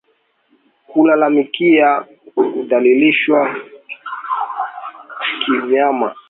Kulalamikia kudhalilishwa kiunyama